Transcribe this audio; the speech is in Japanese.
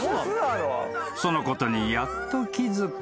［そのことにやっと気付く］